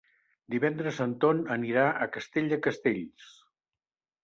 Divendres en Ton anirà a Castell de Castells.